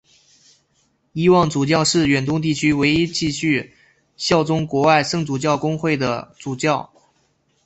伊望主教是远东地区唯一继续效忠国外圣主教公会的主教。